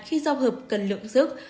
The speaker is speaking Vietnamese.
khi giao hợp cần lượng sức